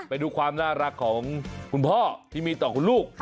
ไปดูความน่ารักของคุณพ่อที่มีต่อคุณลูก